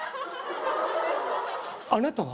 あなたは？